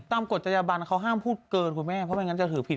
กฎจบันเขาห้ามพูดเกินคุณแม่เพราะไม่งั้นจะถือผิด